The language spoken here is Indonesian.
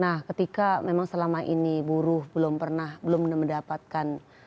nah ketika memang selama ini buruh belum pernah belum mendapatkan